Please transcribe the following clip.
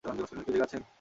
কেউ জেগে আছেন?